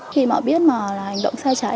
khi mà biết mà là hành động sai trái